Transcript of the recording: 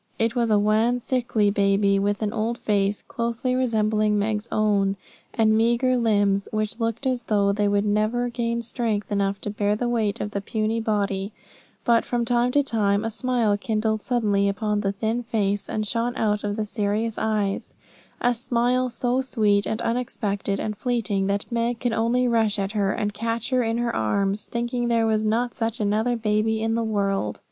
It was a wan, sickly baby with an old face, closely resembling Meg's own, and meagre limbs, which looked as though they would never gain strength enough to bear the weight of the puny body; but from time to time a smile kindled suddenly upon the thin face, and shone out of the serious eyes a smile so sweet, and unexpected, and fleeting, that Meg could only rush at her, and catch her in her arms, thinking there was not such another baby in the world.